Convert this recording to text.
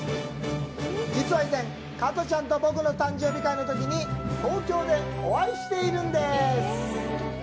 実は、以前加トちゃんと僕の誕生日会の時に東京でお会いしていたんです。